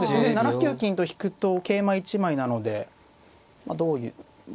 ７九金と引くと桂馬１枚なのでどういう。